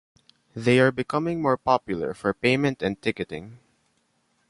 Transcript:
They are becoming more popular for payment and ticketing.